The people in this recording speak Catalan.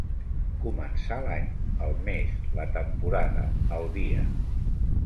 Començar l'any, el mes, la temporada, el dia.